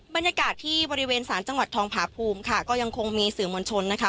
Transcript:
บรรยากาศที่บริเวณศาลจังหวัดทองผาภูมิค่ะก็ยังคงมีสื่อมวลชนนะคะ